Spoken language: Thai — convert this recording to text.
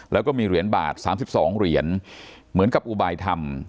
แล้วก็มีเหรียญบาท๓๒เหรียญเหมือนกับอุบายธรรม